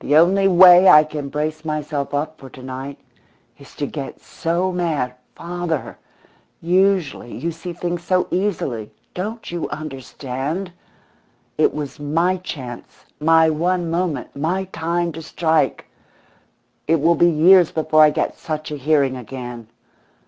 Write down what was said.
"The only way I can brace myself up for to night is to get so mad father, usually you see things so easily! Don't you understand? It was my chance, my one moment, my time to strike. It will be years before I get such a hearing again.